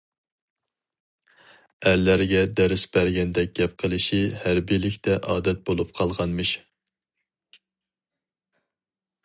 ئەرلەرگە دەرس بەرگەندەك گەپ قىلىشى ھەربىيلىكتە ئادەت بولۇپ قالغانمىش.